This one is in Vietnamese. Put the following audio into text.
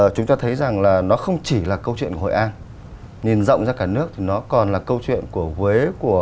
chúng ta thấy rằng là nó không chỉ là câu chuyện của hội an nhìn rộng ra cả nước thì nó còn là câu chuyện của huế